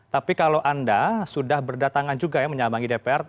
tapi kalau anda sudah berdatangan juga ya menyambangi dpr